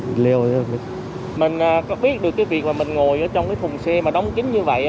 mình có biết được cái việc mà mình ngồi trong cái thùng xe mà đóng kính như vậy